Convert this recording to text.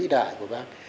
vĩ đại của bác